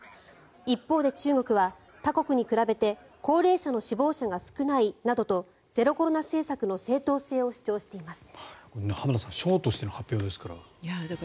一方で中国は、他国に比べて高齢者の死亡者が少ないなどとゼロコロナ政策の正当性を主張しています。